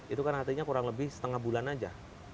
itu kan artinya kurang lebih setengah bulan saja